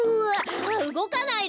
あっうごかないで！